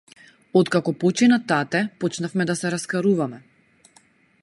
Откако почина тате, почнавме да се раскаруваме.